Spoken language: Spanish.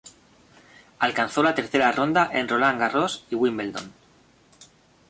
Alcanzó la tercera ronda en Roland Garros y Wimbledon.